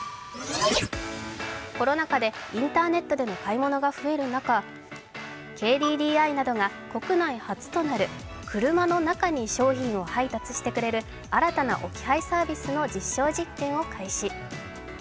コロナ禍でインターネットでの買い物が増える中、ＫＤＤＩなどが国内初となる車の中に商品を配達してくれる新たな置き配サービスの実証実験を開始。